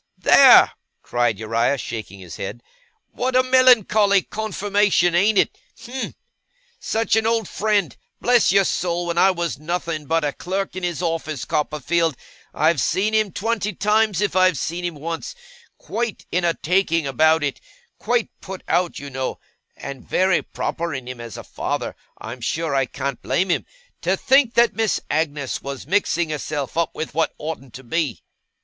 'There!' cried Uriah, shaking his head. 'What a melancholy confirmation: ain't it? Him! Such an old friend! Bless your soul, when I was nothing but a clerk in his office, Copperfield, I've seen him twenty times, if I've seen him once, quite in a taking about it quite put out, you know (and very proper in him as a father; I'm sure I can't blame him), to think that Miss Agnes was mixing herself up with what oughtn't to be.